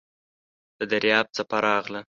د دریاب څپه راغله .